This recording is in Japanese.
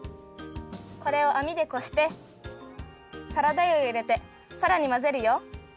これをあみでこしてサラダ油をいれてさらにまぜるよ。